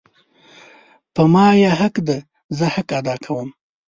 په ما یی حق ده زه حق ادا کوم